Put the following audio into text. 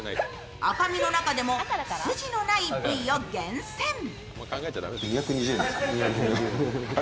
赤身の中でも筋のない部位を厳選。